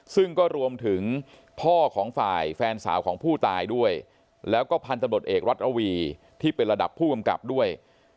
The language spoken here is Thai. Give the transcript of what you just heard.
ซึ่งก็รวมถึงพ่อของฝ่ายแฟนสาวของผู้ตายด้วยแล้วก็พันธบทเอกรัฐระวีที่เป็นระดับผู้กำกับด้วย